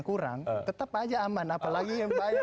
kurang tetap aja aman apalagi yang banyak